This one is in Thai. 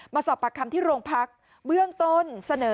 มาสอบปากคำที่โรงพักเบื้องต้นเสนอ